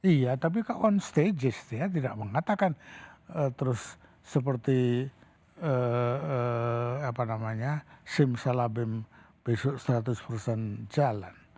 iya tapi kan on stages ya tidak mengatakan terus seperti apa namanya simsalabim besok seratus jalan